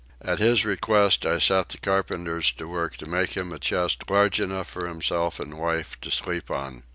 At his request I set the carpenters to work to make him a chest large enough for himself and wife to sleep on.